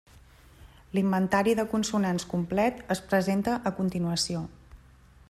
L'inventari de consonants complet es presenta a continuació.